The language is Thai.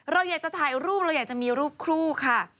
เราอยากจะถ่ายรูปเราอยากจะมีรูปคู่ค่ะ